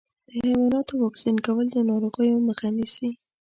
د حيواناتو واکسین کول د ناروغیو مخه نیسي.